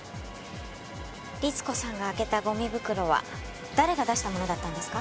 律子さんが開けたゴミ袋は誰が出したものだったんですか？